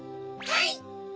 はい！